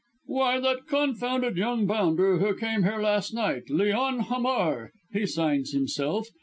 "Why, that confounded young bounder who came here last night Leon Hamar he signs himself.